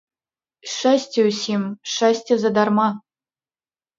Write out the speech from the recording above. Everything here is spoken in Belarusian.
Шчасце ўсім, шчасце задарма.